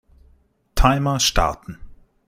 Timer starten.